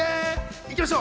行きましょう。